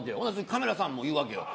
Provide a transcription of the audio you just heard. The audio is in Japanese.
カメラさんも言うわけよ。